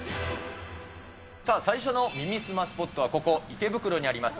最初の耳すまスポットはここ、池袋にあります